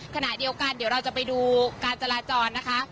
ขณะเดียวกันเดี๋ยวเราจะไปดูการจราจรนะคะ